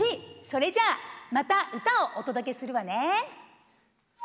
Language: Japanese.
それじゃあまた唄をお届けするわね！